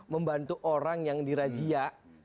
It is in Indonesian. membantu orang yang dirajia